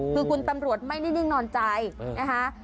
คือคุณตำรวจไม่ได้นิ่งนอนใจนะคะ